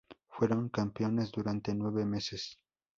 Fueron campeones durante nueve meses.